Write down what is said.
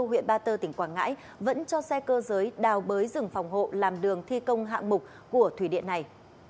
huyện ba tơ tỉnh quảng ngãi vẫn cho xe cơ giới đào bới rừng phòng hộ làm đường thi công hạng mục của thủy điện này